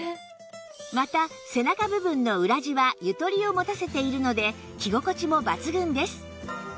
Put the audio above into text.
また背中部分の裏地はゆとりを持たせているので着心地も抜群です